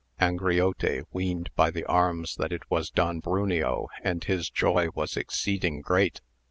Angriote weened by the arms that it was Don Bruneo and his joy was exceeding great.